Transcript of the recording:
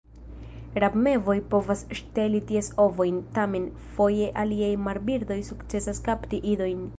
Rabmevoj povas ŝteli ties ovojn; tamen, foje aliaj marbirdoj sukcesas kapti idojn.